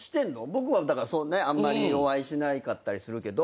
僕はあんまりお会いしなかったりするけど。